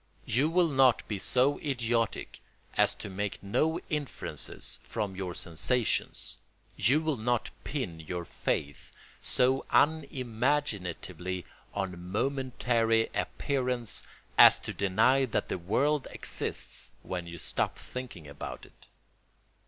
You will not be so idiotic as to make no inferences from your sensations; you will not pin your faith so unimaginatively on momentary appearance as to deny that the world exists when you stop thinking about it.